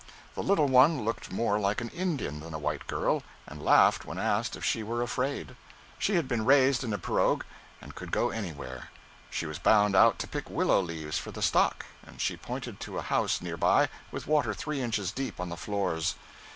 The little one looked more like an Indian than a white child, and laughed when asked if she were afraid. She had been raised in a pirogue and could go anywhere. She was bound out to pick willow leaves for the stock, and she pointed to a house near by with water three inches deep on the floors.